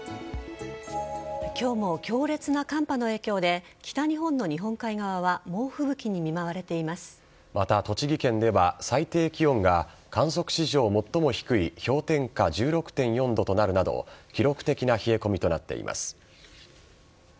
今日も強烈な寒波の影響で北日本の日本海側は猛吹雪にまた、栃木県では最低気温が観測史上最も低い氷点下１６．４度となるなど記録的な冷え込みとなっています。